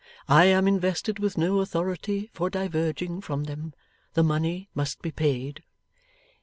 I am invested with no authority for diverging from them. The money must be paid.